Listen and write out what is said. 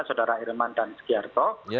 saudara irman dan skiarto